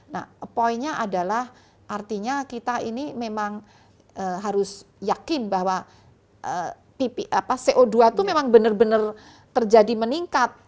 nah poinnya adalah artinya kita ini memang harus yakin bahwa co dua itu memang benar benar terjadi meningkat